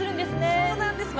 そうなんですね。